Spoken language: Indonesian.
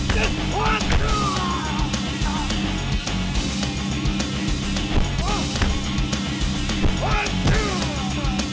jangan kacau lah